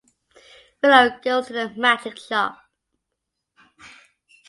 Willow goes to the magic shop.